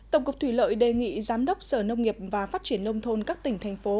tổng cục thủy lợi đề nghị giám đốc sở nông nghiệp và phát triển nông thôn các tỉnh thành phố